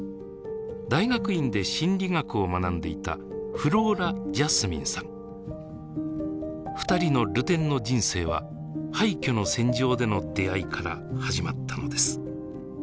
大学院で心理学を学んでいた二人の流転の人生は廃虚の戦場での出会いから始まったのです。